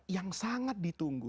yang sangat ditunggu